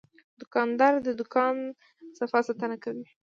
دوکاندار د دوکان صفا ساتنه کوي.